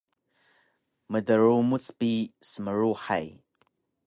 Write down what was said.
Mdrumuc bi smluhay